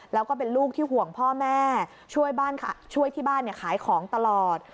แล้วก็เป็นลูกที่ห่วงพ่อแม่ช่วยที่บ้านขายของตลอด